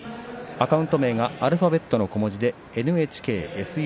アカウント名がアルファベットの小文字でｎｈｋｓｕｍｏです。